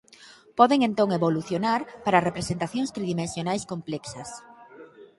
Poden entón evolucionar para representacións tridimensionais complexas.